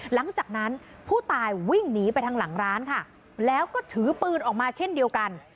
หลังจากนั้นผู้ตายวิ่งหนีไปทางหลังร้านค่ะแล้วก็ถือปืนออกมาเช่นเดียวกัน